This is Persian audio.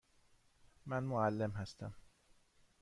من معلم هستم.